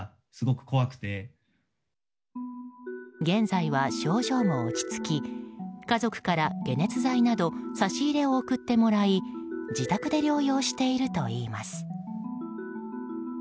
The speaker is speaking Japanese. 現在は症状も落ち着き家族から解熱剤など差し入れを送ってもらい自宅で療養しているといいます。